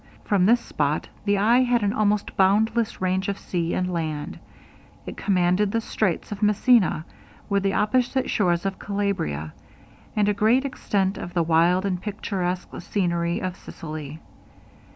From this spot the eye had an almost boundless range of sea and land. It commanded the straits of Messina, with the opposite shores of Calabria, and a great extent of the wild and picturesque scenery of Sicily.